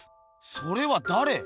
それはだれ？